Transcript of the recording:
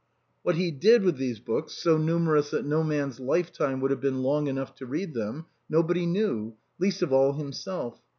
What he did with these books, so numerous that no man's lifetime would have been long enough to read them, nobody knew ; least of all, : himself.